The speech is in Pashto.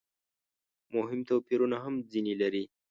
مهم توپیرونه هم ځنې لري.